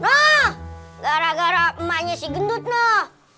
nah gara gara emaknya sih gendut nah